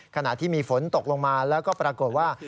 ขณะที่มีฝนตกลงมาแล้วก็ปรากฏว่า